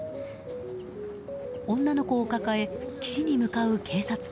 女の子を抱え、岸に向かう警察官。